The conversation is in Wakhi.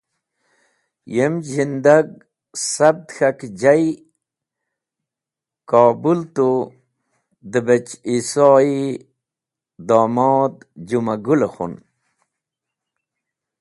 Yem zhindag sabt k̃hkjay Kobũl tu de bech Iso-e domod Jũmagũl-e khun.